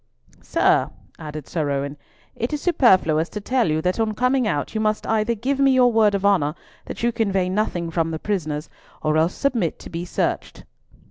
"Sir," added Sir Owen, "it is superfluous to tell you that on coming out, you must either give me your word of honour that you convey nothing from the prisoners, or else submit to be searched."